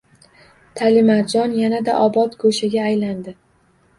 Talimarjon yanada obod go‘shaga aylandi